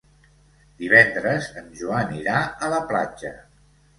Divendres en Joan irà a la platja.